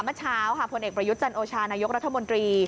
เมื่อเช้าค่ะผลเอกประยุทธ์จันโอชานายกรัฐมนตรี